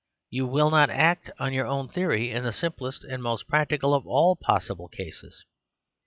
You will not act on you own theory in the simplest and most practical of all possible cases.